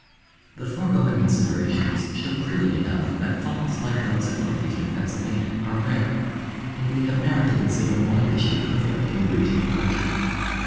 The foregoing considerations show clearly enough that falls like those of northeastern Pennsylvania are rare, and we have now to consider why they should be prevalent in the region in question.